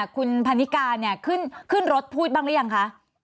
คุณพันนิกาเนี่ยขึ้นรถพูดบ้างหรือยังคะ